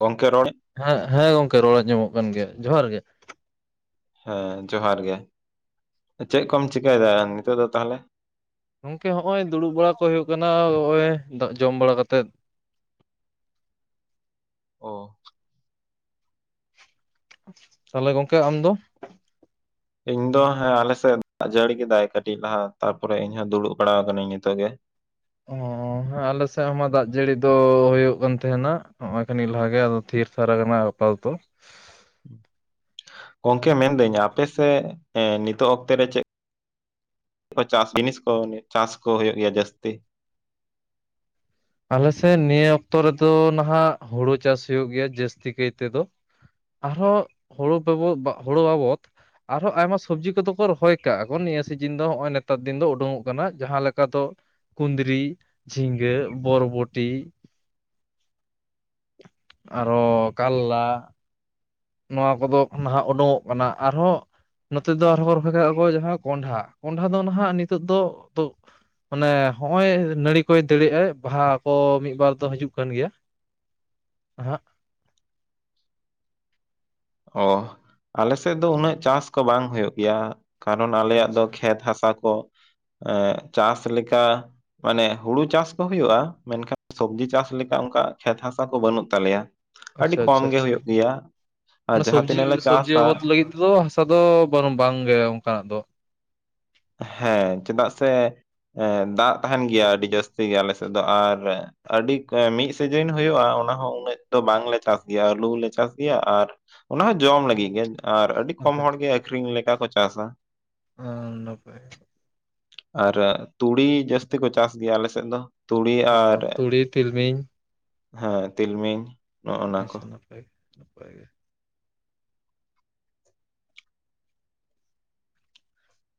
ᱜᱚᱝᱠᱮ ᱨᱚᱲ ᱦᱮᱸ ᱦᱮᱸ ᱜᱚᱝᱠᱮ ᱨᱚᱲ ᱟᱸᱡᱚᱢᱚᱜ ᱠᱟᱱ ᱜᱮᱭᱟ ᱡᱚᱦᱟᱨ ᱜᱮ ᱾ ᱦᱮᱸ ᱡᱚᱦᱟᱨ ᱜᱮ ᱾ ᱪᱮᱫ ᱠᱚᱢ ᱪᱤᱠᱟᱹᱭᱮᱫᱟ ᱱᱤᱛᱚᱜ ᱫᱚ ᱛᱟᱦᱚᱞᱮ? ᱜᱚᱝᱠᱮ ᱦᱚᱸᱜ-ᱚᱭ ᱫᱩᱲᱩᱵ ᱵᱟᱲᱟ ᱠᱚ ᱦᱩᱭᱩᱜ ᱠᱟᱱᱟ, ᱦᱚᱜᱼᱚᱭ ᱫᱟᱜ ᱡᱚᱢ ᱵᱟᱲᱟ ᱠᱟᱛᱮᱫ ᱾ ᱚᱸ ᱛᱟᱦᱚᱞᱮ ᱜᱚᱝᱠᱮ ᱟᱢ ᱫᱚ? ᱤᱧ ᱫᱚ ᱦᱮᱸ ᱟᱞᱮᱥᱮᱫ ᱫᱟᱜ ᱡᱷᱟᱹᱲᱤ ᱠᱮᱫᱟᱭ ᱠᱟᱹᱴᱤᱡ ᱞᱟᱦᱟ ᱛᱟᱯᱚᱨᱮ ᱤᱧᱦᱚᱸ ᱫᱩᱲᱩᱵ ᱵᱟᱲᱟ ᱟᱠᱟᱱᱟᱹᱧ ᱱᱤᱛᱚᱜ ᱜᱮ ᱾ ᱚᱸ ᱦᱮᱸ ᱟᱞᱮ ᱥᱮᱫ ᱦᱚᱸᱢᱟ ᱫᱟᱜ ᱡᱟᱹᱲᱤ ᱫᱚ ᱦᱩᱭᱩᱜ ᱠᱟᱱ ᱛᱟᱦᱮᱱᱟ ᱱᱚᱜ-ᱚᱭ ᱠᱷᱟᱱᱤ ᱞᱟᱦᱟ ᱜᱮ ᱟᱫᱚ ᱛᱷᱤᱨ ᱛᱷᱟᱨ ᱟᱠᱟᱱᱟ ᱾ ᱯᱟᱞᱛᱚ ᱜᱚᱝᱠᱮ ᱢᱮᱱᱫᱟᱹᱧ ᱟᱯᱮ ᱥᱮᱜ ᱮ ᱱᱤᱛᱳᱜ ᱚᱠᱛᱮ ᱨᱮ ᱪᱮᱫ ᱠᱚ ᱪᱟᱥ ᱡᱤᱱᱤᱥ ᱠᱚ ᱪᱟᱥ ᱠᱚ ᱦᱩᱭᱩᱜ ᱜᱮᱭᱟ ᱡᱟᱹᱥᱛᱤ? ᱟᱞᱮᱥᱮᱫ ᱱᱤᱭᱟᱹ ᱚᱠᱛᱚ ᱨᱮᱫᱚ ᱱᱟᱦᱟᱜ ᱦᱩᱲᱩ ᱪᱟᱥ ᱦᱩᱭᱩᱜ ᱜᱮᱭᱟ ᱡᱟᱹᱥᱛᱤ ᱠᱟᱭ ᱛᱮᱫᱚ ᱾ ᱟᱨᱦᱚᱸ ᱦᱩᱲᱩ [unintelligible] ᱵᱟ ᱦᱳᱲᱩ ᱵᱟᱵᱚᱫ ᱟᱨᱦᱚᱸ ᱟᱭᱢᱟ ᱥᱚᱵᱽᱡᱤ ᱠᱚᱫᱚ ᱠᱚ ᱨᱚᱦᱚᱭ ᱠᱟᱜ-ᱟ ᱠᱚ ᱱᱤᱭᱟᱹ ᱥᱤᱡᱤᱱ ᱫᱚ ᱦᱚᱜ-ᱚᱭ ᱱᱮᱛᱟᱨ ᱫᱤᱱ ᱫᱚ ᱩᱰᱩᱝ-ᱚᱜ ᱠᱟᱱᱟ ᱡᱟᱦᱟᱸ ᱞᱮᱠᱟ ᱫᱚ ᱠᱩᱸᱫᱽᱨᱤ, ᱡᱷᱤᱸᱜᱟᱹ, ᱵᱚᱨᱵᱚᱴᱤ ᱟᱨᱚ ᱠᱟᱞᱞᱟ ᱾ ᱱᱚᱣᱟ ᱠᱚᱫᱚ ᱱᱟᱦᱟᱜ ᱩᱰᱩᱝ-ᱚᱜ ᱠᱟᱱᱟ ᱟᱨᱦᱚᱸ ᱱᱚᱛᱮ ᱫᱚ ᱟᱨᱦᱚᱸ ᱨᱚᱠᱚᱭ ᱠᱟᱜ-ᱟ ᱠᱚ ᱡᱟᱦᱟᱸ ᱠᱚᱸᱰᱷᱟ ᱠᱚᱸᱰᱷᱟ ᱫᱚ ᱱᱟᱦᱟᱜ ᱱᱤᱛᱚᱜ ᱫᱚ ᱛᱚ ᱢᱟᱱᱮ ᱦᱚᱜ-ᱚᱭ ᱱᱟᱹᱲᱤ ᱠᱚᱭ ᱫᱟᱹᱲᱮᱜ ᱟᱭ ᱵᱟᱦᱟ ᱠᱚ ᱢᱤᱫ ᱵᱟᱨ ᱫᱚ ᱦᱤᱡᱩᱜ ᱠᱟᱱ ᱜᱮᱭᱟ᱾ ᱦ [unintelligible] ᱚᱸ ᱟᱞᱮ ᱥᱮᱫ ᱫᱚ ᱩᱱᱟᱹᱜ ᱪᱟᱥ ᱠᱚ ᱵᱟᱝ ᱦᱩᱭᱩᱜ ᱜᱮᱭᱟ᱾ ᱠᱟᱨᱚᱱ ᱟᱞᱮᱭᱟᱜ ᱫᱚ ᱟᱪᱪᱷᱟ ᱠᱷᱮᱛ ᱦᱟᱥᱟ ᱠᱚ ᱮ ᱪᱟᱥ ᱞᱮᱠᱟᱼᱼ ᱢᱟᱱᱮ ᱦᱩᱲᱩ ᱪᱟᱥ ᱠᱚ ᱦᱩᱭᱩᱜᱼᱟ, ᱢᱮᱱᱠᱷᱟᱱ ᱥᱚᱵᱡᱤ ᱪᱟᱥ ᱞᱮᱠᱟ ᱚᱱᱠᱟ ᱠᱷᱮᱛ ᱦᱟᱥᱟ ᱠᱚ ᱵᱟᱹᱱᱩᱜ ᱛᱟᱞᱮᱭᱟ᱾ ᱟᱹᱰᱤ ᱠᱚᱢ ᱜᱮᱮ ᱦᱩᱭᱩᱜ ᱜᱮᱭᱟ᱾ ᱟᱨ ᱢᱟᱱᱮ ᱡᱟᱦᱟᱸ ᱥᱚᱵᱽᱡᱤ ᱛᱤᱱᱟᱹᱜ ᱞᱮ ᱥᱚᱵᱽᱡᱤ ᱪᱟᱥᱟ ᱵᱟᱵᱚᱫ ᱞᱟᱹᱜᱤᱫ ᱛᱮᱫᱚ ᱦᱟᱥᱟ ᱫᱚ ᱵᱟᱝ ᱜᱮ ᱚᱱᱠᱟᱱᱟᱜ ᱫᱚ᱾ ᱦᱮᱸ ᱪᱮᱫᱟᱜ ᱥᱮ ᱫᱟᱜ ᱛᱟᱦᱮᱱ ᱜᱮᱭᱟ ᱟᱹᱰᱤ ᱡᱟᱹᱥᱛᱤ ᱜᱮ ᱟᱞ ᱥᱮᱫ ᱫᱚ ᱟᱨᱼᱼ ᱟᱹᱰᱤ ᱢᱤᱫ ᱥᱤᱡᱤᱱ ᱦᱩᱭᱩᱜᱼᱟ, ᱚᱱᱟᱦᱚᱸ ᱩᱱᱟᱹᱜ ᱫᱚ ᱵᱟᱝᱞᱮ ᱪᱟᱥ ᱜᱮᱭᱟ ᱾ ᱟᱹᱞᱩᱮ ᱪᱟᱥ ᱜᱮᱭᱟ ᱟᱨᱼᱼ ᱚᱱᱟ ᱦᱚᱸ ᱡᱚᱢ ᱞᱟᱹᱜᱤᱫ ᱜᱮ ᱟᱨ ᱟᱹᱰᱤ ᱠᱚᱢ ᱟᱪᱪᱷᱟ ᱦᱚᱲ ᱜᱮ ᱟᱠᱷᱨᱤᱧ ᱞᱮᱠᱟ ᱠᱚ ᱪᱟᱥᱟ ᱾ ᱦᱚᱸ ᱱᱟᱯᱟᱭ ᱜᱮ ᱾ ᱟᱨ ᱛᱩᱲᱤ ᱡᱟᱹᱥᱛᱤ ᱠᱚ ᱪᱟᱥ ᱜᱮᱭᱟ ᱟᱞᱮ ᱥᱮᱫ ᱫᱚ ᱛᱩᱲᱤ ᱟᱨᱼᱼ ᱚ ᱛᱩᱲᱤ ᱛᱤᱞᱢᱤᱧ ᱦᱮᱸ ᱛᱤᱞᱢᱤᱧ᱾ ᱱᱟ ᱠᱚ ᱟᱪᱪᱷᱟ ᱱᱟᱯᱟᱭ ᱜᱮ ᱱᱟᱯᱟᱭ ᱜᱮ ᱾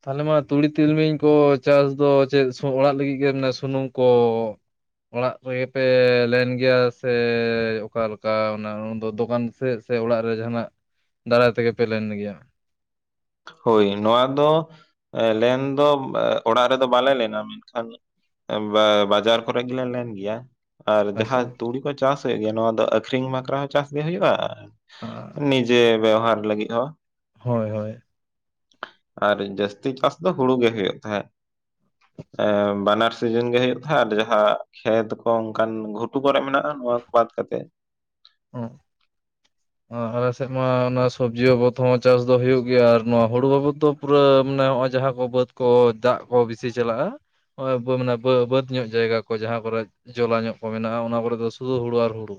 ᱛᱟᱦᱚᱞᱮ ᱢᱟ ᱛᱩᱲᱤ ᱛᱤᱞᱢᱤᱧ ᱠᱚ ᱪᱟᱥ ᱫᱚ ᱪᱮᱫ ᱚᱲᱟᱜ ᱞᱟᱹᱜᱤᱫ ᱜᱮ ᱢᱟᱱᱮ ᱥᱩᱱᱩᱢ ᱠᱚᱼᱼ ᱚᱲᱟᱜ ᱨᱮᱜᱮ ᱯᱮ ᱞᱮᱱ ᱜᱮᱭᱟ ᱥᱮ? ᱚᱠᱟᱞᱮᱠᱟ ᱚᱱᱟᱫᱚ ᱫᱚᱠᱟᱱᱼᱼ ᱥᱮ ᱥᱮ ᱚᱲᱟᱜ ᱨᱮ ᱡᱟᱦᱟᱱᱟᱜ ᱫᱟᱨᱟᱭ ᱛᱮᱜᱮ ᱯᱮ ᱞᱮᱱ ᱜᱮᱭᱟ? ᱦᱳᱭ ᱱᱚᱣᱟ ᱫᱚ ᱞᱮᱱᱫᱚ ᱚᱲᱟᱜ ᱨᱮᱫᱚ ᱵᱟᱞᱮ ᱞᱮᱱᱟ ᱾ ᱢᱮᱱ ᱠᱷᱟᱱᱼᱼ ᱵᱟᱡᱟᱨ ᱠᱚᱨᱮ ᱜᱮᱞᱮ ᱞᱮᱱ ᱜᱮᱭᱟ᱾ ᱟᱨ ᱟᱪᱪᱷᱟ ᱡᱟᱦᱟᱸ ᱛᱩᱲᱤ ᱠᱚ ᱪᱟᱥ ᱦᱩᱭᱩᱜ ᱜᱮᱭᱟ ᱱᱚᱶᱟ ᱫᱚ ᱟᱠᱷᱨᱤᱧ ᱵᱟᱠᱷᱨᱟ ᱦᱚᱸ ᱪᱟᱥᱜᱮ ᱦᱩᱭᱩᱜᱼᱟ᱾ ᱟᱪᱪᱷᱟ, ᱱᱤᱡᱮ ᱵᱮᱣᱦᱟᱨ ᱞᱟᱹᱜᱤᱫ ᱦᱚᱸ ᱦᱳᱭ ᱦᱳᱭ ᱟᱨ ᱡᱟᱹᱥᱛᱤ ᱪᱟᱥ ᱫᱚ ᱦᱩᱲᱩ ᱜᱮ ᱦᱩᱭᱩᱜ ᱛᱟᱦᱮᱸᱫ ᱾ ᱮᱸ ᱵᱟᱱᱟᱨᱼᱼ ᱥᱤᱡᱤᱱ ᱜᱮ ᱦᱩᱭᱩᱜ ᱛᱟᱦᱮᱸ ᱟᱨ ᱡᱟᱦᱟᱸ ᱠᱷᱮᱛ ᱠᱚ ᱚᱱᱠᱟᱱ ᱜᱷᱩᱴᱩ ᱠᱚᱨᱮ ᱢᱮᱱᱟᱜᱼᱟ, ᱱᱚᱣᱟ ᱠᱚ ᱵᱟᱫ ᱠᱟᱛᱮᱜᱼᱼ ᱦᱸ ᱟᱞᱮ ᱥᱮᱫ ᱢᱟ ᱚᱱᱟ ᱥᱚᱵᱡᱤ ᱵᱟᱵᱚᱛ ᱦᱚᱸ ᱪᱟᱥ ᱫᱚ ᱦᱩᱭᱩᱜ ᱜᱮᱭᱟ ᱟᱨ ᱱᱚᱣᱟ ᱦᱩᱲᱩ ᱵᱟᱵᱚᱫ ᱫᱚᱼᱼ ᱯᱩᱨᱟᱹ ᱢᱟᱱᱮ ᱱᱚᱜᱼᱚᱭ ᱡᱟᱦᱟᱸ ᱠᱚ ᱵᱟᱹᱫᱽ ᱠᱚ ᱫᱟᱜ ᱠᱚ ᱵᱤᱥᱤ ᱪᱟᱞᱟᱜᱼᱟ᱾ ᱱᱚᱜᱼᱚᱭ ᱢᱟᱱᱮ ᱵᱟᱹᱼᱵᱟᱹᱫᱽ ᱧᱚᱜ ᱡᱟᱭᱜᱟ ᱠᱚ ᱡᱟᱦᱟᱸ ᱠᱚᱨᱮᱼᱼ ᱡᱚᱞᱟ ᱧᱚᱜ ᱠᱚ ᱢᱮᱱᱟᱜᱼᱟ ᱾ ᱚᱱᱟ ᱠᱚᱨᱮ ᱫᱚ ᱥᱩᱫᱩ ᱦᱩᱲᱩ ᱟᱨ ᱦᱩᱲᱩ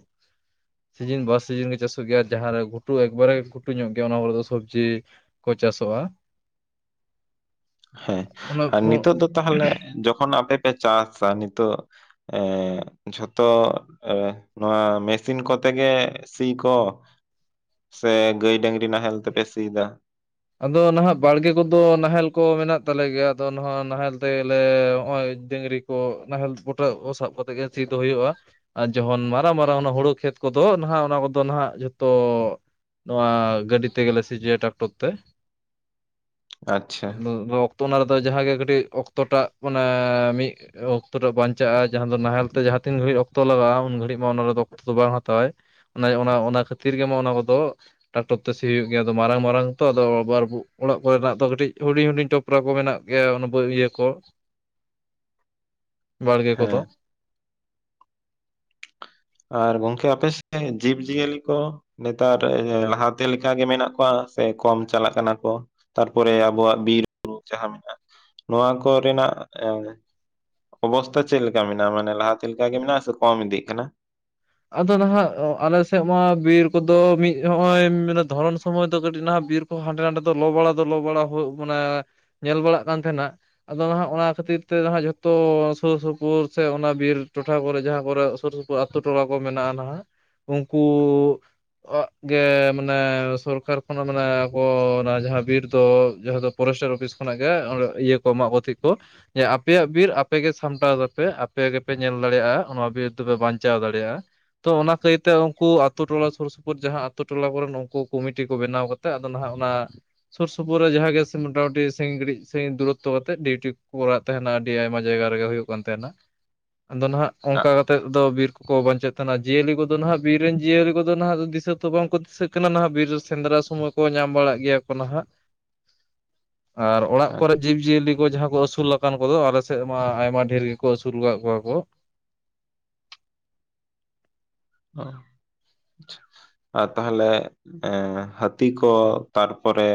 ᱥᱤᱡᱤᱱ ᱵᱟᱨ ᱥᱤᱡᱤᱱ ᱜᱮ ᱪᱟᱥᱼᱼ ᱦᱩᱭᱩᱜ ᱜᱮᱭᱟ ᱡᱟᱦᱟᱸᱨᱮ ᱜᱷᱩᱴᱩ ᱮᱠᱵᱟᱨᱮ ᱜᱷᱩᱴᱩ ᱧᱚᱜ ᱜᱮᱭᱟ ᱚᱱᱟ ᱠᱚᱨᱮ ᱫᱚ ᱥᱚᱵᱽᱡᱤ ᱠᱚ ᱪᱟᱥᱚᱜᱼᱟ᱾ ᱦᱮᱸ ᱚᱱᱟ ᱟᱨ ᱱᱤᱛᱚᱜ ᱫᱚ ᱛᱟᱦᱚᱞᱮ ᱡᱚᱠᱷᱚᱱ ᱟᱯᱮ ᱯᱮ ᱪᱟᱥᱟ ᱱᱤᱛᱚᱜᱼᱼ ᱮᱸ ᱡᱷᱚᱛᱚ ᱱᱚᱣᱟ ᱢᱮᱥᱤᱱ ᱠᱚᱛᱮᱜ ᱜᱮ ᱥᱤ ᱠᱚ ᱥᱮ ᱜᱟᱹᱭ ᱰᱟᱝᱨᱤ ᱱᱟᱦᱮᱞ ᱛᱮᱯᱮ ᱥᱤᱭ ᱠᱟᱜ ᱟᱫᱚ ᱱᱟᱦᱟᱜ ᱵᱟᱲᱜᱮ ᱠᱚᱫᱚ ᱱᱟᱦᱮᱞ ᱠᱚ ᱢᱮᱱᱟᱜ ᱛᱟᱞᱮ ᱜᱮᱭᱟ ᱟᱫᱚ ᱱᱚᱣᱟᱦᱟᱜ ᱱᱟᱦᱮᱞ ᱛᱮᱜᱞᱮ ᱱᱚᱜᱼᱚᱭ ᱰᱟᱝᱨᱤᱼᱼ ᱠᱚ ᱱᱟᱦᱮᱞ ᱯᱚᱴᱟᱹ ᱠᱚ ᱥᱟᱵ ᱠᱟᱛᱮᱜ ᱜᱮ ᱪᱤᱫ ᱫᱚ ᱦᱩᱭᱩᱜᱼᱟ᱾ ᱟᱨ ᱡᱚᱠᱷᱚᱱ ᱢᱟᱨᱟᱝ ᱢᱟᱨᱟᱝ ᱚᱱᱟ ᱦᱩᱲᱩ ᱠᱷᱮᱛ ᱠᱚᱫᱚ ᱱᱟᱦᱟᱸᱜ ᱚᱱᱟ ᱠᱚᱫᱚ ᱱᱟᱦᱟᱸᱜ ᱡᱷᱚᱛᱚᱼᱼ ᱱᱚᱣᱟ ᱜᱟᱹᱰᱤ ᱛᱮᱜᱞᱮ ᱥᱤ ᱡᱚᱭᱟ ᱴᱟᱠᱴᱚᱨ ᱛᱮᱼᱼ ᱟᱪᱪᱷᱟ ᱛᱚ ᱚᱱᱟ ᱨᱮᱫᱚ ᱡᱟᱦᱟᱸᱜᱮ ᱠᱟᱹᱴᱤᱡ ᱚᱠᱛᱚ ᱴᱟᱜ ᱢᱟᱱᱮ ᱢᱤᱼᱼ ᱚᱠᱛᱚ ᱴᱟᱜ ᱵᱟᱧᱪᱟᱜᱼᱟ ᱡᱟᱦᱟᱸ ᱫᱚ ᱱᱟᱦᱮᱞ ᱛᱮ ᱡᱟᱦᱟᱸ ᱛᱤᱱ ᱜᱷᱟᱹᱲᱤᱡ ᱚᱠᱛᱚ ᱞᱟᱜᱟᱜᱼᱟ ᱩᱱ ᱜᱷᱟᱹᱲᱤᱡ ᱢᱟ ᱚᱱᱟ ᱨᱮᱫᱚ ᱚᱠᱛᱚ ᱫᱚ ᱵᱟᱝ ᱦᱟᱛᱟ ᱣᱟᱭ ᱚᱱᱟ ᱠᱷᱟᱹᱛᱤᱨ ᱜᱮᱢᱟ ᱚᱱᱟ ᱠᱚᱫᱚ ᱴᱟᱠᱴᱚᱨ ᱛᱮ ᱥᱤ ᱦᱩᱭᱩᱜ ᱜᱮᱭᱟ ᱟᱫᱚ ᱢᱟᱨᱟᱝ ᱢᱟᱨᱟᱝᱼᱼ ᱛᱚ ᱟᱫᱚ ᱵᱟᱨ ᱚᱲᱟᱜ ᱠᱚᱨᱮᱱᱟᱜ ᱫᱚ ᱠᱟᱹᱴᱤᱡ ᱦᱩᱰᱤᱧ ᱦᱩᱰᱤᱧ ᱴᱚᱯᱨᱟ ᱠᱚ ᱢᱮᱱᱟᱜ ᱜᱮᱭᱟ ᱚᱱᱟ ᱤᱭᱟᱹ ᱠᱚ᱾ ᱵᱟᱲᱜᱮ ᱠᱚᱫᱚ᱾ ᱦᱮᱸ ᱟᱨ ᱜᱚᱝᱠᱮ ᱟᱯᱮ ᱥᱮᱫ ᱡᱤᱵ ᱡᱤᱭᱟᱹᱞᱤ ᱠᱚᱼᱼ ᱱᱮᱛᱟᱨ, ᱮ ᱞᱟᱦᱟᱛᱮ ᱞᱮᱠᱟ ᱜᱮ ᱢᱮᱱᱟᱜ ᱠᱚᱣᱟ ᱥᱮ ᱠᱚᱢ ᱪᱟᱞᱟᱜ ᱠᱟᱱᱟ ᱠᱚ? ᱛᱟᱨᱯᱚᱨᱮ ᱟᱵᱚᱣᱟᱜ ᱵᱤᱨᱵᱩᱨᱩ ᱡᱟᱦᱟᱸ ᱢᱮᱱᱟᱜᱼᱟ ᱱᱚᱣᱟ ᱠᱚᱨᱮᱱᱟᱜ ᱮ ᱚᱵᱚᱥᱛᱟ ᱪᱮᱫ ᱞᱮᱠᱟ ᱢᱮᱱᱟᱜᱼᱟ ᱢᱟᱱᱮ ᱞᱟᱦᱟ ᱛᱮ ᱞᱮᱠᱟ ᱜᱮ ᱢᱮᱱᱟᱜᱼᱟ ᱥᱮ ᱠᱚᱢ ᱤᱫᱤᱜ ᱠᱟᱱᱟ? ᱟᱫᱚ ᱱᱟᱦᱟᱸᱜ ᱟᱞᱮ ᱥᱮᱫ ᱢᱟ ᱵᱤᱨ ᱠᱚᱫᱚ ᱢᱤᱫ ᱱᱚᱜᱼᱚᱭ ᱢᱟᱱᱮ ᱫᱷᱚᱨᱚᱱ ᱥᱚᱢᱚᱭ ᱫᱚ ᱠᱟᱹᱴᱤᱡ ᱱᱟᱦᱟᱸᱜ ᱵᱤᱨ ᱦᱟᱸᱰᱮ ᱱᱟᱰᱮ ᱫᱚ ᱞᱚ ᱵᱟᱲᱟ ᱫᱚ ᱞᱚ ᱵᱟᱲᱟ ᱦᱳᱭᱳᱜ ᱠᱟᱱᱟ ᱧᱮᱞ ᱵᱟᱲᱟᱜ ᱠᱟᱱ ᱛᱟᱦᱮᱱᱟ ᱾ ᱟᱫᱚ ᱱᱟᱦᱟᱸᱜ ᱚᱱᱟ ᱠᱷᱟᱹᱛᱤᱨ ᱛᱮ ᱱᱟᱟᱜ ᱡᱚᱛᱚ ᱥᱩᱨ ᱥᱩᱯᱩᱨ ᱥᱮ ᱚᱱᱟ ᱵᱤᱨ ᱴᱚᱴᱷᱟ ᱠᱚᱨᱮ ᱡᱟᱦᱟᱸ ᱠᱚᱨᱮ ᱥᱩᱨ ᱥᱳᱯᱳᱨ ᱟᱛᱩ ᱴᱚᱞᱟ ᱠᱚ ᱢᱮᱱᱟᱜᱼᱟ ᱱᱟᱦᱟᱸᱜ ᱩᱱᱠᱩ ᱚᱜ ᱜᱮ, ᱢᱟᱱᱮ ᱥᱚᱨᱠᱟᱨ ᱠᱷᱚᱱᱟᱜ ᱢᱟᱱᱮ ᱟᱠᱚ ᱚᱱᱟ ᱡᱟᱦᱟᱸ ᱵᱤᱨ ᱫᱚ ᱡᱟᱦᱟᱸ ᱫᱚ ᱯᱷᱚᱨᱮᱥᱴᱟᱨ ᱚᱯᱷᱤᱥ ᱠᱷᱚᱱᱟᱜ ᱜᱮ ᱚᱸᱰᱮ ᱤᱭᱟᱹ ᱠᱚ ᱮᱢᱟᱜ ᱠᱚᱛᱷᱮ ᱠᱚ ᱾ ᱡᱮ ᱟᱯᱮᱭᱟᱜ ᱵᱤᱨ ᱟᱯᱮ ᱜᱮ ᱥᱟᱢᱴᱟᱣ ᱛᱟᱯᱮ ᱟᱯᱮ ᱜᱮᱯᱮ ᱧᱮᱞ ᱫᱟᱲᱮᱭᱟᱜᱼᱟ ᱚᱱᱟ ᱵᱤᱨ ᱫᱚᱯᱮ ᱵᱟᱧ ᱪᱟᱣ ᱫᱟᱲᱮᱭᱟ ᱾ ᱛᱚ ᱚᱱᱟ ᱠᱟᱹᱭ ᱛᱮ ᱩᱱᱠᱩ ᱟᱛᱳ ᱴᱚᱞᱟ ᱥᱩᱨ ᱥᱩᱯᱩᱨ ᱡᱟᱦᱟᱸ ᱟᱛᱳ ᱴᱚᱞᱟ ᱠᱚᱨᱮᱱ ᱩᱱᱠᱩ ᱠᱚᱢᱤᱴᱤ ᱠᱚ ᱵᱮᱱᱟᱣ ᱠᱟᱛ ᱛᱮ ᱟᱫᱚ ᱱᱟᱦᱟᱸᱜ ᱚᱱᱟ ᱥᱩᱨ ᱥᱩᱯᱩᱨ ᱨᱮ ᱡᱟᱦᱟᱸ ᱜᱮ ᱢᱚᱴᱟᱢᱩᱴᱤ ᱺᱥᱤᱝᱜᱲᱤᱡ ᱥᱮ ᱫᱩᱨᱚᱛᱛᱚ ᱠᱟᱛᱮᱜ ᱰᱤᱣᱴᱤ ᱠᱚ ᱠᱚᱨᱟᱣ ᱛᱟᱦᱮᱱᱟ ᱟᱹᱰᱤ ᱟᱭᱢᱟ ᱡᱟᱭᱜᱟ ᱨᱮᱜᱮ ᱦᱩᱭᱩᱜ ᱠᱟᱱ ᱛᱟᱦᱮᱱᱟ ᱟᱫᱚ ᱱᱟᱦᱟᱸᱜ ᱚᱱᱠᱟ ᱠᱟᱛᱮᱫ ᱫᱚ ᱵᱤᱨ ᱠᱚ ᱵᱟᱧᱪᱟᱜ ᱛᱟᱦᱮᱱᱟ ᱡᱤᱭᱟᱹᱞᱤ ᱠᱚᱫᱚ ᱱᱟᱦᱟᱸᱜ ᱵᱤᱨ ᱨᱮᱱ ᱡᱤᱭᱟᱹᱞᱤ ᱠᱚᱫᱚ ᱱᱟᱦᱟᱜ ᱫᱚ ᱫᱤᱥᱟᱹ ᱫᱚᱚ ᱵᱟᱝᱠᱚ ᱫᱤᱥᱟᱹᱜ ᱠᱟᱱᱟ ᱱᱟᱦᱟᱜ ᱵᱤᱨ ᱨᱮ ᱥᱮᱸᱫᱽᱨᱟ ᱥᱚᱢᱚᱭ ᱾ ᱠᱚ ᱧᱟᱢ ᱵᱟᱲᱟᱜ ᱜᱮᱭᱟ ᱠᱚ ᱱᱟᱦᱟᱸᱜ ᱾ ᱟᱨ ᱚᱲᱟᱜ ᱟᱜ ᱠᱚᱨᱮ ᱡᱤᱵᱽᱼᱡᱤᱭᱟᱹᱞᱤ ᱠᱚ ᱡᱟᱦᱟᱸ ᱠᱚ ᱟᱹᱥᱩᱞᱚᱜ, ᱾ ᱚᱱᱠᱟᱱ ᱠᱚᱫᱚ ᱟᱞᱮ ᱥᱮᱫ ᱢᱟ ᱟᱭᱢᱟ ᱰᱷᱮᱹᱨ ᱜᱮᱠᱚ ᱟᱹᱥᱩᱞ ᱟᱠᱟᱫ ᱠᱚᱣᱟ ᱠᱚ ᱾ ᱟᱦᱼᱪᱚᱦ ᱾ ᱪᱷᱚᱼᱪᱷᱚ, ᱟᱨ ᱛᱟᱦᱚᱞᱮ ᱮᱸ ᱦᱟᱹᱛᱤ ᱠᱚ ᱛᱟᱨᱯᱚᱨᱮ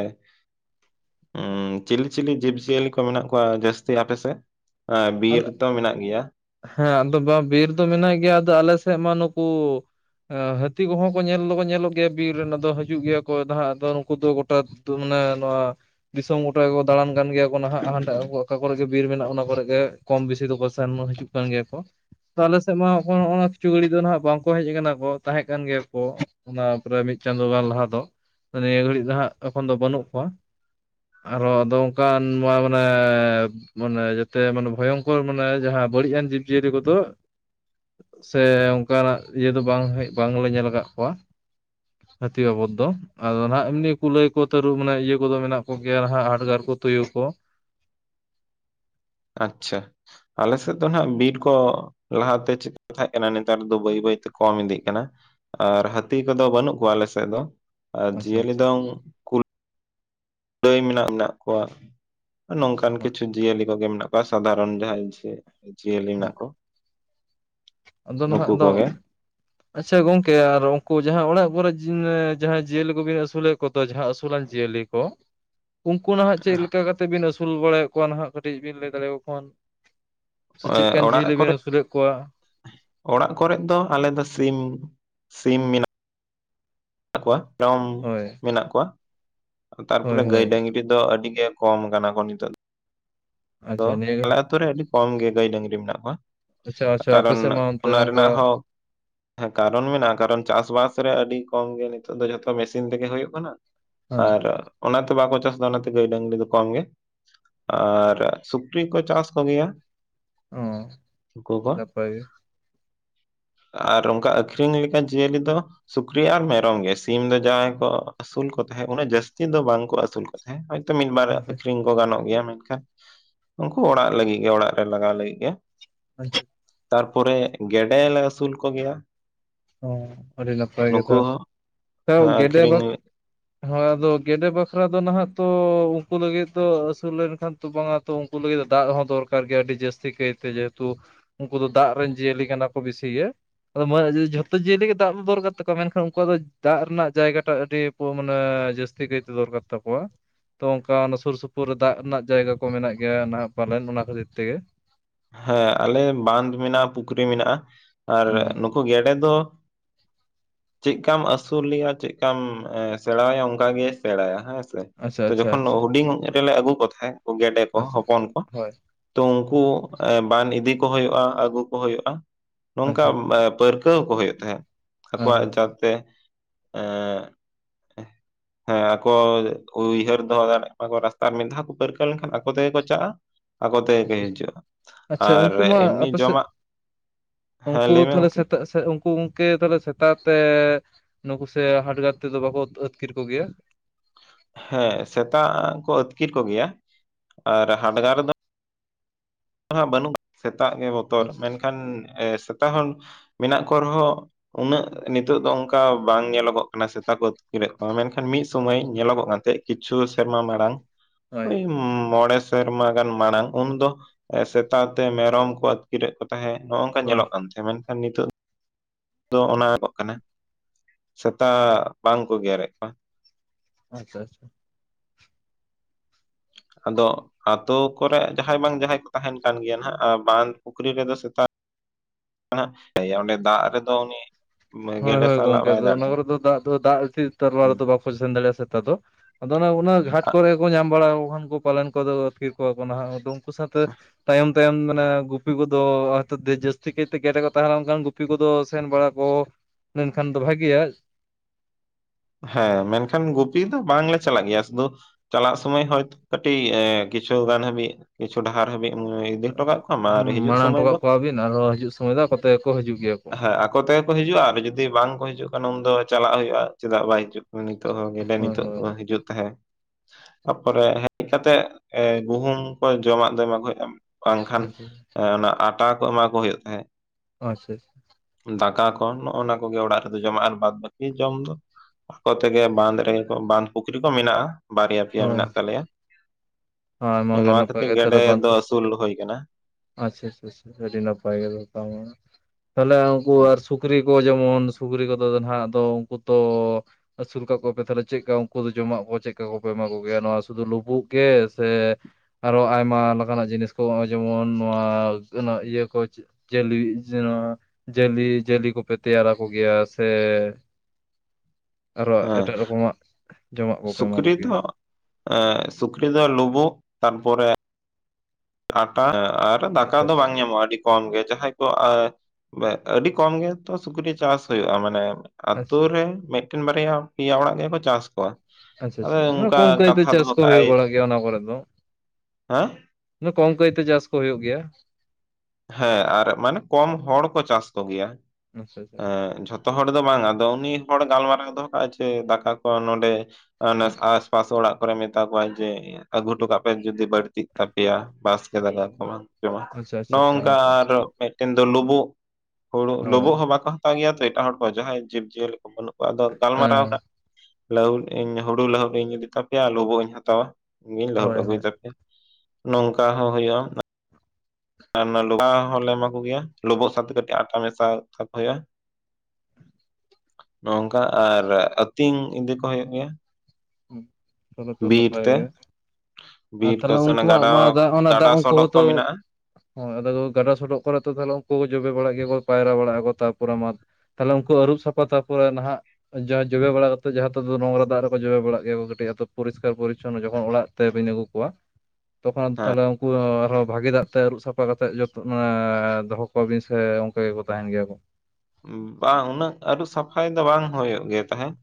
ᱩᱸ, ᱪᱤᱞᱤ ᱪᱤᱞᱤ ᱡᱤᱵᱽ ᱡᱤᱭᱟᱹᱞᱤ ᱠᱚ ᱢᱮᱱᱟᱜ ᱠᱚᱣᱟ ᱡᱟᱹᱥᱛᱤ ᱟᱯᱮᱥᱮᱫ? ᱮᱸ ᱵᱤᱨ ᱟᱞ ᱛᱚ ᱢᱮᱱᱟᱜ ᱜᱮᱭᱟ ᱾ ᱦᱮᱸ, ᱟᱫᱚ ᱵᱟ ᱵᱤᱨ ᱫᱚ ᱢᱮᱱᱟᱜ ᱜᱮᱭᱟ ᱟᱫᱚ ᱟᱞᱮ ᱥᱮᱫ ᱢᱟ ᱱᱩᱠᱩ ᱦᱟᱹᱛᱤ ᱠᱚᱦᱚᱸ ᱠᱚ ᱧᱮᱞ ᱫᱚᱠᱚ ᱧᱮᱞᱚᱜ ᱜᱮᱭᱟ ᱵᱤᱨ ᱨᱮᱱ ᱟᱫᱚ ᱦᱤᱡᱩᱜ ᱜᱮᱭᱟ ᱠᱚ ᱱᱟᱦᱟᱸᱜ ᱟᱫᱚ ᱱᱩᱠᱩ ᱫᱚ ᱜᱚᱴᱟ ᱛᱩ ᱢᱟᱱᱮ ᱱᱚᱣᱟ ᱫᱤᱥᱚᱢ ᱜᱚᱴᱟ ᱜᱮᱠᱚ ᱫᱟᱬᱟᱱ ᱠᱟᱱ ᱜᱮᱭᱟ ᱠᱚ ᱱᱟᱦᱟᱜ ᱦᱟᱸᱰᱮ ᱚᱠᱟ ᱠᱚᱨᱮ ᱜᱮ ᱵᱤᱨ ᱢᱮᱱᱟᱜᱼᱟ ᱚᱱᱟ ᱠᱚᱨᱮ ᱜᱮ ᱾ ᱠᱚᱢ ᱵᱤᱥᱤ ᱫᱚ ᱠᱚ ᱥᱮᱱ ᱦᱤᱡᱩᱜ ᱠᱟᱱ ᱜᱮᱭᱟ ᱠᱚ ᱾ ᱛᱚ ᱟᱞᱮ ᱥᱮᱫ ᱢᱟ ᱦᱚᱜᱚᱸ-ᱦᱚᱜᱚᱸ ᱠᱤᱪᱩ ᱜᱷᱟᱹᱲᱤ ᱫᱚ ᱦᱟᱸᱜ ᱵᱟᱝᱠᱚ ᱦᱮᱡ ᱟᱠᱟᱱᱟ ᱠᱚ ᱛᱟᱦᱮᱸ ᱠᱟᱱ ᱜᱮᱭᱟ ᱠᱚ ᱾ ᱚᱱᱟ ᱯᱚᱨᱮ ᱢᱤᱫ ᱪᱟᱸᱫᱳ ᱜᱟᱱ ᱞᱟᱦᱟ ᱫᱚ ᱱᱤᱭᱟᱹ ᱜᱷᱟᱹᱲᱤᱡ ᱫᱚ ᱦᱟᱸᱜ ᱮᱠᱷᱚᱱ ᱫᱚ ᱵᱟᱹᱱᱩᱜ ᱠᱚᱣᱟ ᱾ ᱟᱨᱚ ᱟᱫᱚ ᱚᱱᱠᱟᱱ ᱱᱚᱣᱟ ᱢᱟᱱᱮ, ᱢᱟᱱᱮ ᱡᱮᱛᱮ ᱢᱟᱱᱮ ᱵᱷᱚᱭᱚᱝᱠᱚᱨ ᱢᱟᱱᱮ ᱡᱟᱦᱟᱸ ᱵᱟᱹᱲᱤᱡ ᱟᱱ ᱡᱤᱵᱽᱡᱤᱭᱟᱹᱞᱤ ᱠᱚᱫᱚ ᱥᱮ ᱚᱱᱠᱟᱱᱟᱜ ᱤᱭᱟᱹ ᱫᱚ ᱵᱟᱝ ᱦᱮᱡ ᱵᱟᱝᱞᱮ ᱧᱮᱞ ᱟᱠᱟᱜ ᱠᱚᱣᱟ, ᱾ ᱦᱟᱹᱛᱤ ᱚᱵᱚᱥ ᱫᱚ ᱟᱫᱚ ᱦᱟᱸᱜ ᱮᱢᱱᱤ ᱠᱩᱞᱟᱹᱭ ᱠᱚ ᱛᱟᱹᱨᱩᱵ ᱢᱟᱱᱮ ᱤᱭᱟᱹ ᱠᱚᱫᱚ ᱢᱮᱱᱟᱜ ᱠᱚᱜᱮᱭᱟ ᱱᱟᱜ ᱦᱟᱰᱜᱟᱨ ᱠᱚ ᱛᱩᱭᱩ ᱠᱚ ᱾ ᱟᱪ-ᱪᱷᱟ ᱟᱞᱮᱥᱮᱫ ᱫᱚ ᱱᱟᱜ ᱵᱤᱨ ᱠᱚ ᱞᱟᱦᱟᱛᱮ ᱪᱮᱫ ᱛᱟᱦᱮᱸ ᱠᱟᱱᱟ ᱱᱮᱛᱟᱨ ᱫᱚ ᱵᱟᱹᱭ ᱵᱟᱹᱭᱛᱮ ᱠᱚᱢ ᱤᱫᱤᱜ ᱠᱟᱱᱟ ᱟᱨ ᱦᱟᱹᱛᱤ ᱠᱚᱫᱚ ᱵᱟᱹᱱᱩᱜ ᱠᱚᱣᱟ ᱟᱞᱮ ᱥᱮᱫ ᱫᱚ ᱾ ᱟᱨ ᱟᱪᱪᱷᱟ ᱡᱤᱭᱟᱹᱞᱤ ᱟᱪᱪᱷᱟ ᱫᱚᱝ ᱫᱟᱹᱭ ᱢᱮᱱᱟᱜ ᱢᱮᱱᱟᱜ ᱠᱚᱣᱟ ᱱᱚᱝᱠᱟᱱ ᱦᱳᱭ ᱠᱤᱪᱷᱩ ᱡᱤᱭᱟᱹᱞᱤ ᱠᱚᱜᱮ ᱢᱮᱱᱟᱜ ᱠᱚᱣᱟ ᱥᱟᱫᱷᱟᱨᱚᱱ ᱡᱟᱦᱟᱸᱭ ᱡᱮ ᱡᱤᱭᱟᱹᱞᱤ ᱦᱳᱭ ᱢᱮᱱᱟᱜ ᱠᱚ ᱾ ᱟᱫᱚ ᱱᱟᱦᱟᱸᱜ ᱫᱚ ᱟᱪ-ᱪᱷᱟ ᱜᱚᱝᱠᱮ ᱟᱨ ᱩᱱᱠᱩ ᱡᱟᱦᱟᱸ ᱚᱲᱟᱜ ᱠᱚᱨᱮᱜ ᱡᱟᱦᱟᱸ ᱡᱤᱭᱟᱹᱞᱤ ᱠᱚᱵᱤᱱ ᱟᱹᱥᱩᱞᱮᱫ ᱠᱚᱫᱚ ᱡᱟᱦᱟᱸ ᱟᱹᱥᱩᱞᱟᱱ ᱡᱤᱭᱟᱹᱞᱤ ᱠᱚ ᱩᱱᱠᱩ ᱱᱟᱦᱜ ᱪᱮᱫ ᱞᱮᱠᱟ ᱠᱟᱛᱮ ᱵᱤᱱ ᱟᱹᱥᱩᱞ ᱵᱟᱲᱟᱭᱮᱫ ᱠᱚᱣᱟ ᱱᱟᱦᱟᱸᱜ ᱠᱟᱹᱴᱤᱡ ᱵᱤᱱ ᱞᱟᱹᱭ ᱫᱟᱲᱮᱭᱟ ᱠᱷᱣᱟ? ᱥᱮ, ᱮ, ᱪᱮᱫᱠᱟᱱ ᱚᱲᱟᱜ ᱡᱤᱭᱟᱹᱞᱤ ᱵᱮᱱ ᱠᱚᱨᱮ ᱟᱹᱥᱩᱞᱮᱫ ᱠᱚᱣᱟ? ᱚᱲᱟᱜ ᱠᱚᱨᱮᱜ ᱫᱚ ᱟᱞᱮ ᱫᱚ ᱥᱤᱢ, ᱥᱤᱢ ᱢᱮᱱᱟᱜ ᱠᱚᱣᱟ ᱢᱮᱨᱚᱢ ᱦᱳᱭ ᱢᱮᱱᱟᱜ ᱠᱚᱣᱟ ᱦᱳᱭ ᱛᱟᱨᱯᱚᱨᱮ ᱜᱟᱹᱭ ᱦᱳᱭ ᱰᱟᱹᱟᱝᱨᱤ ᱱᱤᱛ ᱫᱚ ᱟᱹᱰᱤ ᱜᱮ ᱠᱚᱢ ᱠᱟᱱᱟ ᱠᱚ ᱱᱤᱛᱚᱜ ᱫᱚ ᱫᱚ, ᱟᱪᱪᱷᱟ ᱱᱤᱭᱟᱹ ᱜᱮ ᱟᱞᱮ ᱟᱛᱩᱨᱮ ᱟᱹᱰᱤ ᱠᱚᱢ ᱜᱮ ᱜᱟᱹᱭ ᱰᱟᱹᱝᱨᱤ ᱢᱮᱱᱟᱜ ᱠᱚᱣᱟ ᱟᱪᱪᱷᱟ ᱾ ᱟᱪᱪᱷᱟ ᱟᱯᱮ ᱠᱟᱨᱚᱱ ᱥᱮᱫ ᱢᱟ ᱚᱱᱛᱮ ᱚᱱᱟ ᱚᱱᱠᱟ ᱨᱮᱱᱟᱜ ᱦᱚᱸ ᱦᱟᱸᱜ ᱠᱟᱨᱚᱱ ᱢᱮᱱᱟᱜᱼᱟ ᱠᱟᱨᱚᱱ ᱪᱟᱥᱵᱟᱥ ᱨᱮ ᱟᱹᱰᱤ ᱠᱚᱢ ᱜᱮ ᱱᱤᱛᱚᱜ ᱫᱚ ᱡᱷᱚᱛᱚ ᱢᱮᱥᱤᱱ ᱛᱮᱜᱮ ᱦᱩᱭᱩᱜ ᱠᱟᱱᱟ ᱾ ᱦᱮᱸ ᱟᱨ ᱚᱱᱟᱛᱮ ᱵᱟᱠᱚ ᱪᱟᱥᱫᱟ ᱚᱱᱟᱛᱮ ᱜᱟᱹᱭ ᱰᱟᱹᱟᱝᱨᱤ ᱫᱚ ᱠᱚᱢ ᱜᱮ, ᱟᱨ ᱥᱩᱠᱨᱤ ᱠᱚ ᱪᱟᱥ ᱠᱚᱜᱮᱭᱟ ᱚ ᱩᱱᱠᱩ ᱠᱚ ᱱᱟᱯᱟᱭ [inaudible] ᱟᱨ ᱚᱱᱠᱟ ᱟᱹᱠᱷᱨᱤᱧ ᱞᱮᱠᱟ ᱡᱤᱭᱟᱹᱞᱤ ᱫᱚ ᱥᱩᱠᱨᱤ ᱟᱨ ᱢᱮᱨᱚᱢ ᱜᱮ ᱥᱤᱢ ᱫᱚ ᱡᱟᱦᱟᱸᱭ ᱠᱚ ᱟᱹᱥᱩᱞ ᱠᱚ ᱛᱟᱦᱮᱸᱫ ᱩᱱᱟᱹᱜ ᱡᱟᱹᱥᱛᱤ ᱫᱚ ᱵᱟᱝ ᱠᱚ ᱟᱹᱥᱩᱞ ᱠᱚ ᱛᱟᱦᱮᱸᱱ ᱦᱚᱭ ᱛᱚ ᱢᱤᱫ ᱵᱟᱨ ᱟᱪᱪᱷᱟ ᱟᱹᱠᱷᱨᱤᱧ ᱠᱚ ᱜᱟᱱᱚᱜ ᱜᱮᱭᱟ ᱢᱮᱱᱠᱷᱟᱱ ᱩᱱᱠᱩ ᱚᱲᱟᱜ ᱞᱟᱹᱜᱤᱫ, ᱜᱮ ᱚᱲᱟᱜ ᱨᱮ ᱞᱟᱜᱟᱣ ᱞᱟᱹᱜᱤᱫ ᱜᱮ ᱾ [unintelligible] ᱛᱟᱨ ᱯᱚᱨᱮ ᱜᱮᱰᱮ ᱞᱮ ᱟᱹᱥᱩᱞ ᱠᱚᱜᱮᱭᱟ ᱾ ᱚ, ᱟᱹᱰᱤ ᱱᱟᱯᱟᱭ ᱜᱮ ᱦᱚᱸ ᱛᱚ ᱦᱮᱸ ᱜᱮᱰᱮ ᱫᱚ ᱟᱹᱠᱷᱨᱤᱧ ᱦᱳᱭ ᱟᱫᱚ ᱜᱮᱰᱮ ᱵᱟᱠᱷᱨᱟ ᱫᱚ ᱱᱟᱦᱟᱜ ᱛᱚ ᱩᱱᱠᱩ ᱞᱟᱹᱜᱤᱫ ᱫᱚ ᱟᱹᱥᱩᱞ ᱞᱮᱱᱠᱷᱟᱱ ᱛᱚ ᱵᱟᱝᱟ ᱛᱚ ᱩᱱᱠᱩ ᱞᱟᱹᱜᱤᱫ ᱫᱚ ᱫᱟᱜᱽ ᱦᱚᱸ ᱫᱚᱨᱠᱟᱨ ᱜᱮᱭᱟ ᱟᱹᱰᱤ ᱡᱟᱹᱥᱛᱤ ᱠᱟᱭᱛᱮ ᱡᱮ ᱦᱮᱛᱩ ᱩᱱᱠᱩ ᱫᱚ ᱫᱟᱜᱽ ᱨᱮᱱ ᱡᱤᱭᱟᱹᱞᱤ ᱠᱟᱱᱟ ᱠᱚ ᱵᱮᱥᱤᱜᱮ ᱟᱫᱚ [unintelligible] ᱛᱚ ᱡᱤᱭᱟᱹᱞᱤ ᱜᱮ ᱫᱟᱜᱽ ᱫᱚᱨᱠᱟᱨ ᱛᱟᱠᱚᱣᱟ ᱢᱮᱱᱠᱟᱷᱟᱱ ᱩᱱᱠᱩ ᱣᱟᱜ ᱫᱚ ᱫᱟᱜᱽ ᱨᱮᱱᱟᱜ ᱡᱟᱭᱜᱟ ᱴᱟᱜ ᱟᱹᱰᱤ ᱯᱚ ᱢᱟᱱᱮ ᱡᱟᱹᱥᱛᱤ ᱠᱟᱭᱛᱮ ᱫᱚᱨᱠᱟᱨ ᱛᱟᱠᱚᱣᱟ ᱾ ᱛᱚ ᱚᱱᱠᱟ ᱚᱱᱟ ᱥᱩᱨ ᱥᱩᱯᱩᱨ ᱨᱮ ᱫᱟᱜᱽ ᱨᱮᱱᱟᱜ ᱡᱟᱭᱜᱟ ᱠᱚ ᱢᱮᱱᱟᱜ ᱜᱮᱭᱟ ᱱᱟᱦᱟᱜ ᱯᱟᱞᱮᱱ ᱚᱱᱟ ᱠᱷᱟᱹᱛᱤᱨ ᱛᱮᱜᱮ ᱦᱮᱸ ᱟᱞᱮ ᱵᱟᱸᱫᱷ ᱢᱮᱱᱟᱜᱼᱟ ᱯᱩᱠᱷᱨᱤ ᱢᱮᱱᱟᱜᱼᱟ ᱟᱨ ᱦᱩᱸ ᱱᱩᱠᱩ ᱜᱮᱰᱮ ᱫᱚ ᱪᱮᱜ ᱠᱟᱢ ᱟᱹᱥᱩᱞᱮᱭᱟ ᱪᱮᱜ ᱠᱟᱢ ᱥᱮᱬᱟᱣᱟᱭᱟ ᱚᱱᱠᱟ ᱜᱮ ᱯᱮᱲᱟᱭᱟ ᱦᱮᱸ ᱥᱮ ᱟᱪᱪᱷᱟ ᱛᱚ ᱟᱪᱪᱷᱟ ᱡᱚᱠᱷᱚᱱ ᱟᱪᱪᱷᱟ ᱦᱩᱰᱤᱧ ᱨᱮᱞᱮ ᱟᱹᱜᱩ ᱠᱚ ᱛᱟᱦᱮᱸᱜ ᱜᱮᱰᱮ ᱠᱚ ᱟᱪᱪᱷᱟ ᱦᱚᱯᱚᱱ ᱠᱚ ᱦᱳᱭ ᱛᱚ ᱩᱱᱠᱩ ᱵᱟᱱ ᱤᱫᱤ ᱠᱚ ᱦᱚᱭᱚᱜᱼᱟ ᱟᱹᱜᱩ ᱠᱚ ᱦᱚᱭᱚᱜᱼᱟ ᱱᱚᱝᱠᱟ ᱟᱪᱪᱷᱟ ᱯᱟᱹᱨᱠᱟᱹᱣ ᱠᱚ ᱦᱚᱭᱚᱜ ᱛᱟᱦᱮᱸᱫ ᱾ ᱟᱠᱚᱣᱟᱜ ᱟᱪᱪᱷᱟ ᱟᱪᱪᱷᱟ ᱡᱟᱛᱮ ᱮᱸᱜ [inaudible] ᱦᱮᱸ ᱟᱠᱚ ᱩᱭᱦᱟᱹᱨ ᱫᱚᱦᱚ ᱫᱟᱲᱮᱭᱟᱜ ᱢᱟᱠᱚ ᱨᱟᱥᱛᱟ ᱢᱤᱫ ᱫᱷᱟᱣ ᱠᱚ ᱯᱟᱹᱨᱠᱟᱹᱣ ᱞᱮᱱᱠᱷᱟᱱ ᱟᱠᱚ ᱛᱮᱜᱮ ᱠᱚ ᱪᱟᱜᱼᱟ ᱟᱠᱚ ᱛᱮᱜᱮ ᱠᱚ ᱟᱪᱪᱷᱟ ᱦᱤᱡᱩᱜᱼᱟ ᱾ ᱟᱪᱪᱷᱟ ᱩᱱᱠᱩ ᱢᱟ ᱟᱯᱮ ᱥᱮᱜ ᱦᱮᱸ ᱩᱱᱠᱩ ᱞᱟᱹᱭ ᱢᱮ ᱛᱟᱦᱞᱮ ᱜᱚᱝᱠᱮ ᱥᱮᱛᱟ ᱩᱱᱠᱩ ᱜᱚᱝᱠᱮ ᱛᱟᱦᱞᱮ ᱥᱮᱛᱟᱛᱮ ᱱᱩᱠᱩ ᱥᱮ ᱦᱟᱰᱜᱟᱨ ᱛᱮᱫᱚ ᱵᱟᱠᱚ ᱟ. ᱛ- ᱟᱹᱛᱠᱤᱨ ᱠᱚᱜᱮᱭᱟ᱾ ᱦᱮᱸ ᱥᱮᱛᱟᱜ ᱠᱚ ᱟᱹᱛᱠᱤᱨ ᱠᱚᱜᱮᱭᱟ ᱟᱨ ᱚ, ᱦᱟᱰᱜᱟᱨ ᱫᱚ ᱦᱟᱜ ᱵᱟᱹᱱᱩᱜ ᱥᱮᱛᱟᱜ ᱜᱮ ᱵᱚᱛᱚᱨ ᱟᱪᱪᱷᱟ ᱟᱪᱪᱷᱟ ᱢᱮᱱᱠᱷᱟᱱ ᱥᱮᱛᱟ ᱦᱚᱱ ᱢᱮᱱᱟᱜ ᱠᱚ ᱨᱮᱦᱚᱸ ᱩᱱᱟᱹᱜ ᱱᱤᱛᱚᱜ ᱫᱚ ᱚᱱᱠᱟ ᱵᱟᱝ ᱧᱮᱞᱚᱜᱚᱜ ᱠᱟᱱᱟ ᱥᱮᱛᱟ ᱠᱚ ᱟᱹᱛᱠᱤᱨᱮᱫ ᱠᱚᱣᱟ ᱢᱮᱱᱠᱷᱟᱱ ᱢᱤᱫ ᱥᱚᱢᱚᱭ ᱧᱮᱞᱚᱜᱚᱜ ᱠᱟᱱ ᱛᱟᱦᱮᱸᱜ ᱠᱤᱪᱷᱩ ᱥᱮᱨᱢᱟ ᱢᱟᱲᱟᱝ ᱦᱳᱭ ᱦᱚᱭ ᱢᱚᱬᱮ ᱥᱮᱨᱢᱟ ᱜᱟᱱ ᱢᱟᱲᱟᱝ ᱩᱱᱫᱚ ᱥᱮᱛᱟ ᱛᱮ ᱢᱮᱨᱚᱢ ᱠᱚ ᱟᱠ ᱠᱤᱨᱮᱫ ᱠᱚ ᱛᱟᱦᱮᱸᱜ ᱱᱚᱜᱝᱠᱟ ᱦᱳᱭ ᱧᱮᱞᱚᱜ ᱠᱟᱱ ᱛᱟᱦᱮᱸ ᱢᱮᱱᱠᱷᱟᱱ ᱱᱤᱛᱚᱜ ᱫᱚ ᱚᱱᱟ ᱚᱜ ᱠᱟᱱᱟ ᱾ ᱥᱮᱛᱟ ᱵᱟᱝᱠᱚ ᱜᱮᱨᱮᱜ ᱠᱚᱣᱟ ᱾ ᱟᱪᱪᱷᱟ ᱟᱪᱪᱷᱟ ᱾ ᱟᱫᱚ ᱟᱛᱳ ᱠᱚᱨᱮ ᱡᱟᱦᱟᱸᱭ ᱵᱟᱝ ᱡᱟᱦᱟᱸᱭ ᱠᱚ ᱛᱟᱦᱮᱸᱱ ᱠᱟᱱ ᱜᱮᱭᱟ ᱱᱷᱟᱹᱜ ᱵᱟᱸᱫ ᱯᱩᱠᱷᱨᱤ ᱨᱮᱫᱚ ᱥᱮᱛᱟᱜ ᱚᱸᱰᱮ ᱫᱟᱜᱽ ᱨᱮᱫᱚ ᱩᱱᱤ ᱦᱳᱭ ᱜᱮᱰᱮ ᱦᱳᱭ ᱥᱟᱞᱟᱜ ᱜᱚᱝᱠᱮ ᱵᱟᱭ ᱟᱫᱚ ᱚᱱᱟ ᱫᱟᱲᱮᱭᱟᱜᱼᱟ ᱠᱚᱨᱮ ᱫᱚ ᱫᱟᱜᱽ ᱫᱟᱜᱽ ᱛᱟᱞᱟ ᱦᱩᱸ ᱨᱮᱫᱚ ᱵᱟᱠᱚ ᱥᱮᱱ ᱫᱟᱲᱮᱭᱟᱜᱼᱟ ᱥᱮᱛᱟ ᱫᱚ ᱾ ᱟᱫᱚ ᱚᱱᱟ ᱚᱱᱟ ᱜᱷᱟᱴ ᱠᱚᱨᱮ ᱠᱚ ᱧᱟᱢ ᱵᱟᱲᱟ ᱠᱚ ᱠᱷᱟᱱ ᱠᱚ ᱯᱟᱞᱮᱱ ᱠᱚᱫᱚ ᱟᱹᱠᱤᱨ ᱠᱚᱣᱟ ᱠᱚ ᱱᱟᱦᱟᱜ ᱫᱚᱼᱼ ᱩᱱᱠᱩ ᱥᱟᱶᱛᱮ ᱛᱟᱭᱚᱢᱼᱼ ᱛᱟᱭᱚᱢ ᱢᱟᱱᱮ ᱜᱩᱯᱤ ᱠᱚᱫᱚ ᱡᱟᱹᱥᱛᱤ ᱠᱟᱭᱛᱮ ᱜᱮᱰᱮ ᱠᱚ ᱛᱟᱦᱮᱸ ᱞᱮᱱᱠᱷᱟᱱ ᱜᱩᱯᱤ ᱠᱚᱫᱚ ᱥᱮᱱ ᱵᱟᱲᱟ ᱠᱚᱼᱼ ᱢᱮᱱᱠᱷᱟᱱ ᱫᱚ ᱵᱷᱟᱜᱮᱭᱟ ᱦᱮᱸ ᱢᱮᱱ ᱠᱷᱟᱱ ᱜᱩᱯᱤ ᱫᱚ ᱵᱟᱝᱞᱮ ᱪᱟᱞᱟᱜ ᱜᱮᱭᱟ ᱥᱩᱫᱩᱼᱼ ᱪᱟᱞᱟᱜ ᱥᱩᱢᱚᱭ ᱦᱚᱭᱛᱳ ᱠᱟᱹᱴᱤᱡ ᱠᱤᱪᱷᱩᱜᱟᱱ ᱦᱟᱹᱵᱤᱡᱼᱼ ᱠᱤᱪᱷᱩ ᱰᱟᱦᱟᱨ ᱦᱟᱹᱵᱤᱡ ᱤᱫᱤ ᱦᱚᱴᱚ ᱠᱟᱜ ᱠᱚᱣᱟᱢ ᱟᱨ ᱦᱩᱸ ᱦᱤᱡᱩᱜ ᱢᱟᱲᱟᱝ ᱦᱚᱴᱚ ᱥᱚᱢᱚᱭ ᱫᱚ ᱠᱟᱜ [inaudible] ᱠᱚᱣᱟᱵᱤᱱ ᱟᱨᱦᱚᱸ ᱦᱤᱡᱩᱜ ᱥᱚᱢᱚᱭ ᱫᱚ ᱟᱠᱚ ᱛᱮᱜᱮ ᱠᱚ ᱦᱤᱡᱩᱜ ᱜᱮᱭᱟ ᱠᱚ ᱦᱮᱸ ᱟᱠᱚ ᱛᱮᱜᱮᱠᱚ ᱦᱤᱡᱩᱜᱼᱟ ᱟᱨ ᱡᱩᱫᱤ ᱵᱟᱝᱠᱚ ᱦᱤᱡᱩᱜ ᱠᱷᱟᱱ ᱩᱱ ᱫᱚ ᱪᱟᱞᱟᱜ ᱦᱩᱭᱩᱜᱼᱟ ᱪᱮᱫᱟᱜ ᱵᱟᱭ ᱦᱤᱡᱩᱜᱼᱼ ᱱᱤᱛᱚᱜ ᱦᱚᱸ ᱜᱮᱰᱮ ᱦᱳᱭ ᱱᱤᱛᱚᱜ ᱫᱚ ᱦᱳᱭ ᱦᱤᱡᱩᱜ ᱛᱟᱦᱮᱸᱜᱼᱼ ᱛᱟᱯᱚᱨᱮ ᱦᱮᱡ ᱠᱟᱛᱮᱜ ᱜᱩᱦᱩᱢ ᱠᱚ ᱡᱚᱢᱟᱜ ᱫᱚ ᱮᱢᱟ ᱠᱚ ᱦᱩᱭᱩᱜᱼᱟ᱾ ᱵᱟᱝ ᱠᱷᱟᱱ ᱟᱪᱪᱷᱟ ᱚᱱᱟ ᱟᱴᱟ ᱠᱚ ᱮᱢᱟ ᱠᱚ ᱦᱩᱭᱩᱜ ᱛᱟᱦᱮᱸᱫ ᱟᱪᱪᱷᱟ ᱫᱟᱠᱟ ᱠᱚ ᱱᱚᱜᱼᱚ ᱱᱚᱣᱟ ᱠᱚᱜᱮ ᱚᱲᱟᱜ ᱨᱮᱫᱚ ᱡᱚᱢᱟᱜ ᱟᱨ ᱵᱟᱫᱽ ᱵᱟᱹᱠᱤ ᱡᱚᱢ ᱫᱚᱼᱼ ᱟᱠᱚ ᱛᱮᱜᱮ ᱵᱟᱸᱫᱷ ᱨᱮᱜᱮ ᱵᱟᱸᱫ ᱯᱩᱠᱷᱨᱤ ᱠᱚ ᱢᱮᱱᱟᱜᱼᱟ ᱵᱟᱨᱭᱟ ᱯᱮᱭᱟ ᱦᱳᱭ ᱢᱮᱱᱟᱜ ᱛᱟᱞᱮᱭᱟ᱾ ᱟᱭᱢᱟ ᱜᱮ ᱱᱚᱣᱟ ᱱᱟᱯᱟᱭ ᱠᱷᱟᱹᱛᱤᱨ ᱜᱮ ᱜᱮᱰᱮ ᱛᱟᱦᱚᱞᱮ ᱫᱚ ᱵᱟᱸᱫᱯᱩ ᱟᱹᱥᱩᱞ ᱦᱩᱭ ᱟᱠᱟᱱᱟ᱾ ᱟᱪᱪᱷᱟ ᱟᱪᱪᱷᱟ ᱟᱹᱰᱤ ᱱᱟᱯᱟᱭ ᱜᱮ [inaudible] ᱛᱟᱦᱞᱮ ᱩᱱᱠᱩᱼᱼ ᱥᱩᱠᱨᱤ ᱠᱚ ᱡᱮᱢᱚᱱ ᱥᱩᱠᱨᱤ ᱠᱚᱫᱚ ᱦᱟᱸᱜ ᱫᱚ ᱩᱱᱠᱩ ᱛᱚᱼᱼ ᱟᱹᱥᱩᱞ ᱠᱟᱜ ᱠᱚᱣᱟ ᱯᱮ ᱛᱟᱦᱚᱞᱮ ᱪᱮᱫᱠᱟ ᱩᱱᱠᱩ ᱫᱚ ᱡᱚᱢᱟᱜ ᱠᱚ ᱪᱮᱫ ᱞᱮᱠᱟ ᱠᱚᱯᱮ ᱮᱢᱟ ᱠᱚ ᱜᱮᱭᱟ ᱱᱚᱣᱟ ᱥᱩᱫᱷᱩ ᱞᱩᱵᱩᱜ ᱜᱮᱼᱼ ᱥᱮ ᱟᱨᱚ ᱟᱭᱢᱟ ᱞᱮᱠᱟᱱᱟᱜ ᱡᱤᱱᱤᱥ ᱠᱚ ᱦᱚᱸᱜᱼᱚᱭ ᱡᱮᱢᱚᱱ ᱱᱚᱣᱟ ᱤᱭᱟᱹ ᱠᱚᱼᱼ ᱡᱟᱹᱞᱤ ᱡᱮ ᱡᱟᱹᱞᱤ ᱡᱟᱹᱞᱤ ᱠᱚᱯᱮ ᱛᱮᱭᱟᱨᱟ ᱠᱚ ᱜᱮᱭᱟ ᱥᱮᱼᱼ ᱟᱨ ᱦᱚᱸ ᱦᱮᱸ ᱮᱴᱟᱜ ᱨᱚᱠᱚᱢᱟᱜ? ᱡᱚᱢᱟᱜ ᱠᱚᱯᱮ ᱮᱢᱟ ᱥᱩᱠᱨᱤ ᱠᱚᱜᱮᱭᱟ ᱫᱚ ᱮᱸ ᱥᱩᱠᱨᱤ ᱫᱚ ᱞᱩᱵᱩᱜ ᱛᱟᱨᱯᱚᱨᱮᱼᱼ ᱟᱴᱟ ᱟᱨ ᱫᱟᱠᱟ ᱟᱪᱪᱷᱟ ᱫᱚ ᱵᱟᱝ ᱟᱪᱪᱷᱟ ᱧᱟᱢᱚᱜᱼᱟ ᱟᱹᱰᱤᱼᱼ ᱠᱚᱢ ᱜᱮ ᱡᱟᱦᱟᱸᱭ ᱠᱚ ᱟᱹᱰᱤ ᱠᱚᱢ ᱜᱮ ᱛᱚ ᱥᱩᱠᱨᱤ ᱪᱟᱥ ᱦᱩᱭᱩᱜᱼᱟ ᱢᱟᱱᱮᱼᱼ ᱟᱛᱳ ᱟᱪᱪᱷᱟ ᱨᱮ ᱢᱤᱫᱴᱮᱱ ᱵᱟᱨᱭᱟ ᱯᱮᱭᱟ ᱚᱲᱟᱜ ᱜᱮᱠᱚ ᱪᱟᱥ ᱠᱚᱣᱟ᱾ ᱟᱪᱪᱷᱟ ᱟᱫᱚ ᱟᱪᱪᱷᱟ ᱢᱟᱱᱮ ᱚᱱᱠᱟ ᱠᱚᱢ ᱠᱟᱹᱭᱛᱮ ᱠᱟᱛᱷᱟ ᱪᱟᱥ ᱫᱚᱦᱚ ᱠᱚ ᱠᱟᱜᱼᱟᱭ ᱦᱩᱭᱩᱜ ᱵᱟᱲ ᱜᱮᱭᱟ ᱚᱱᱟ ᱠᱚᱨᱮ ᱫᱚᱼᱼ ᱦᱮᱸ ᱢᱟᱱᱮ ᱠᱚᱢ ᱠᱟᱭᱛᱮ ᱪᱟᱥ ᱠᱚ ᱦᱩᱭᱩᱜ ᱜᱮᱭᱟ᱾ ᱦᱮᱸ ᱟᱨ ᱢᱟᱱᱮ ᱠᱚᱢ ᱦᱚᱲ ᱠᱚ ᱪᱟᱥ ᱠᱚ ᱜᱮᱭᱟ ᱟᱪᱪᱷᱟ ᱟᱪᱪᱷᱟ ᱮᱸ ᱡᱚᱛ ᱡᱷᱚᱛᱚ ᱦᱚᱲ ᱫᱚ ᱵᱟᱝ ᱟᱫᱚ ᱩᱱᱤ ᱦᱚᱲ ᱜᱟᱞᱢᱟᱨᱟᱣ ᱫᱚᱦᱚ ᱠᱟᱜᱼᱟ ᱡᱮ ᱫᱟᱠᱟ ᱠᱚ ᱱᱚᱰᱮ ᱦᱩᱸ ᱟᱥᱼᱼ ᱯᱟᱥ ᱚᱲᱟᱜ ᱠᱚᱨᱮ ᱢᱮᱛᱟ ᱠᱚᱣᱟᱭ ᱡᱮᱼᱼ ᱟᱹᱜᱩ ᱦᱚᱴᱚ ᱠᱟᱜ ᱯᱮ ᱡᱩᱫᱤ ᱵᱟᱹᱲᱛᱤᱜ ᱛᱟᱯᱮᱭᱟ ᱵᱟᱥᱠᱮ ᱫᱟᱠᱟ ᱠᱚᱼᱼ ᱟᱪᱪᱷᱟ ᱟᱪᱪᱷᱟ ᱱᱚᱝ ᱟᱪᱪᱷᱟ ᱠᱟ ᱚᱱᱠᱟ ᱟᱨ ᱢᱤᱫᱴᱮᱱ ᱫᱚ ᱞᱩᱵᱩᱜ ᱦᱩᱲᱩ ᱦᱳᱭ ᱞᱩᱵᱩᱜ ᱦᱚᱸ ᱵᱟᱠᱚᱼᱼ ᱦᱟᱛᱟᱣ ᱜᱮᱭᱟ ᱛᱚ ᱮᱴᱟᱜ ᱦᱚᱲ ᱠᱚ ᱡᱟᱦᱟᱸᱭ ᱡᱤᱵᱽ ᱡᱤᱭᱟᱹᱞᱤ ᱠᱚ ᱵᱟᱹᱱᱩᱜ ᱠᱚᱣᱟ ᱟᱫᱚ ᱜᱟᱞᱢᱟᱨᱟᱣ ᱦᱮᱸ ᱟᱠᱟᱫᱼᱼ ᱞᱟᱹᱦᱩᱜ ᱤᱧ ᱦᱩᱲᱩ ᱞᱟᱹᱦᱩᱜ ᱤᱧ ᱤᱫᱤ ᱛᱟᱯᱮᱭᱟ ᱟᱨ ᱞᱩᱵᱩᱜ ᱤᱧ ᱦᱟᱛᱟᱣᱟ᱾ ᱤᱧ ᱞᱟᱹᱦᱩᱜ ᱦᱳᱭ ᱟᱹᱜᱩᱭ ᱦᱳᱭ ᱛᱟᱯᱮ ᱱᱚᱝᱠᱟ ᱦᱚᱸ ᱦᱩᱭᱩᱜᱼᱟ ᱟᱨ ᱚᱱᱟ ᱞᱚᱵᱟ ᱦᱚᱸᱞᱮ ᱮᱢᱟ ᱠᱚᱜᱮᱭᱟ ᱞᱳᱵᱩᱜ ᱥᱟᱶᱛᱮ ᱠᱟᱹᱴᱤᱡ ᱟᱴᱟ ᱢᱮᱥᱟ ᱦᱩᱭᱩᱜᱼᱟ᱾ ᱱᱚᱝᱠᱟ ᱟᱨ ᱟᱹᱛᱤᱧ ᱤᱫᱤ ᱠᱚ ᱦᱩᱭᱩᱜ ᱜᱮᱭᱟ᱾ ᱦᱩᱸ ᱛᱚᱵᱮ ᱛᱚ ᱵᱤᱨ ᱱᱟᱯᱟᱭ ᱛᱮ ᱜᱮ ᱟᱨ ᱵᱤᱨ ᱠᱚ ᱛᱟᱦᱞᱮ ᱥᱮ ᱚᱱᱟ ᱩᱱᱠᱩᱣᱟᱜ ᱜᱟᱰᱟ ᱢᱟ ᱚᱱᱟ ᱜᱟᱰᱟ ᱫᱟᱜ ᱩᱱᱠᱩ ᱥᱚᱰᱚᱜ ᱠᱚ ᱦᱚᱸᱛᱚᱼᱼ ᱢᱮᱱᱟᱜᱼᱟ ᱦᱳᱭ ᱟᱫᱚ ᱜᱟᱰᱟ ᱥᱚᱰᱚᱜ ᱠᱚᱨᱮ ᱛᱚ ᱛᱟᱦᱞᱮ ᱩᱱᱠᱩ ᱡᱚᱵᱮ ᱵᱟᱲᱟᱜ ᱜᱮᱭᱟ ᱠᱚ ᱯᱟᱭᱨᱟ ᱵᱟᱲᱟᱜ ᱟᱠᱚ ᱛᱟᱯᱚᱨᱮ ᱢᱟᱛᱼᱼ ᱛᱟᱦᱚᱞᱮ ᱩᱱᱠᱩ ᱟᱹᱨᱩᱵ ᱥᱟᱯᱷᱟ ᱛᱟᱯᱚᱨᱮ ᱱᱟᱦᱟᱜ ᱡᱟᱦᱟᱸ ᱡᱚᱵᱮ ᱵᱟᱲᱟ ᱠᱟᱛᱮ ᱡᱟᱦᱟᱸ ᱫᱚ ᱱᱚᱝᱨᱟ ᱫᱟᱜ ᱨᱮᱠᱚ ᱡᱚᱵᱮ ᱵᱟᱲᱟᱜᱼᱼ ᱜᱮᱭᱟ ᱠᱚ ᱠᱟᱹᱴᱤ ᱟᱫᱚ ᱯᱚᱨᱤᱥᱠᱟᱨ ᱯᱚᱨᱤ ᱪᱪᱷᱚᱱᱱᱚ ᱡᱚᱠᱷᱚᱱ ᱚᱲᱟᱜ ᱛᱮ ᱵᱤᱱ ᱟᱹᱜᱩ ᱠᱚᱣᱟ᱾ ᱛᱚᱠᱷᱚᱱ ᱛᱟᱦᱚᱞᱮ ᱩᱱᱠᱩ ᱟᱨᱦᱚᱸ ᱵᱷᱟᱜᱤ ᱫᱟᱜ ᱛᱮ ᱟᱹᱨᱩᱵ ᱥᱟᱯᱷᱟ ᱠᱟᱛᱮᱼᱼ ᱛᱮᱫ ᱡᱚᱛᱚ ᱢᱟᱱᱮ ᱫᱚᱦᱚ ᱠᱚᱣᱟᱵᱤᱱ ᱥᱮ ᱚᱱᱠᱟ ᱜᱮᱠᱚ ᱛᱟᱦᱮᱱ ᱜᱮᱭᱟ ᱠᱚ? ᱵᱟᱝ ᱩᱱᱟᱹᱜ ᱟᱹᱨᱩᱵ ᱥᱟᱯᱷᱟᱭ ᱫᱚ ᱵᱟᱝ ᱦᱩᱭᱩᱜ ᱜᱮ ᱛᱟᱦᱮᱸᱫ,